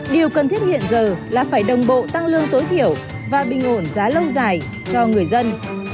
điều cần thiết hiện giờ là phải đồng bộ tăng lương tối thiểu và bình ổn giá lâu dài cho người dân